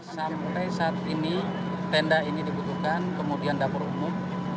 sampai saat ini tenda ini dibutuhkan kemudian dapur umum